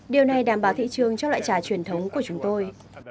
điều này đảm bảo thị trường cho loại trà truyền thống của chúng tôi